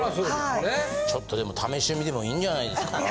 ちょっとでも試してみてもいいんじゃないですか？